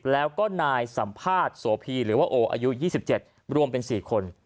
แล้วก็นายสัมภาษณ์โสพีหรือว่าโออายุ๒๗รวมเป็น๔คน